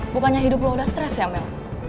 bukannya hidup lo udah stres ya mel